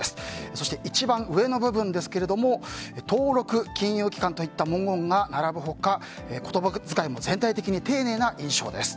そして、一番上の部分ですが登録金融機関といった文言が並ぶ他言葉使いも全体的に丁寧な印象です。